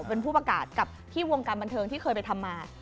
เป็นผู้ประกาศกับที่วงการบันเทิงที่เคยไปทำมา